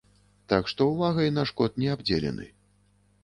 Так што увагай наш кот не абдзелены.